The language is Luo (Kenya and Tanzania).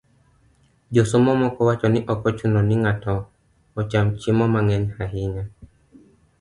Josomo moko wacho ni ok ochuno ni ng'ato ocham chiemo mang'eny ahinya